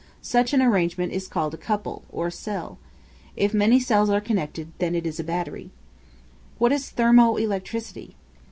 Such an arrangement is called a couple, or cell. If many cells are connected, then it is called a battery. What is Thermo electricity?